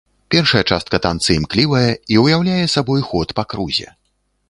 Першая частка танца імклівая і ўяўляе сабой ход па крузе.